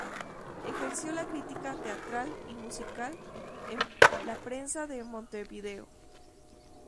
Ejerció la crítica teatral y musical en la prensa de Montevideo.